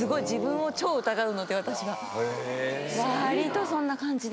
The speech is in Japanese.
わりとそんな感じで。